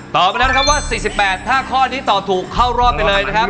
ตอบเป็นเลวนะครับ๔๘ถ้าข้อนี้ตอบถูกเข้ารอดไปเลยนะครับ